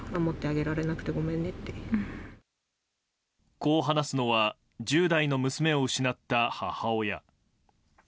こう話すのは１０代の娘を失った母親。